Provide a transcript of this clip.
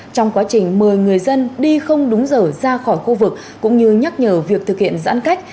trong quá trình mời người dân đi không đúng giờ ra khỏi khu vực cũng như nhắc nhở việc thực hiện giãn cách